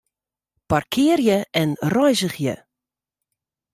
Parkearje en reizigje.